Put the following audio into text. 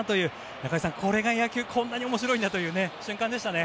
中居さん、野球はこんなに面白いんだという瞬間でしたね。